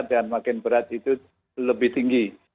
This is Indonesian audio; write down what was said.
dan makin berat itu lebih tinggi